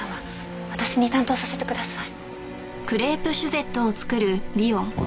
私に担当させてください。